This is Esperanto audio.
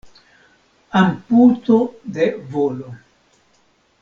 Amputo de volo.